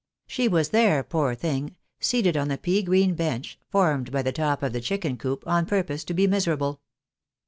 She was there, poor thing, seated on the pea green bench, formed by the top of the chicken coop, on purpose to be miserable.